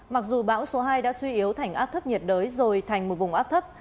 mặc dù bão số hai đã suy yếu thành áp thấp nhiệt đới rồi thành một vùng áp thấp